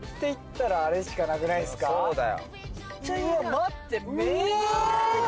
待って。